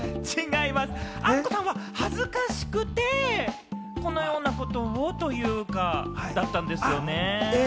アッコさんは恥ずかしくて、このようなこと、だったんですね。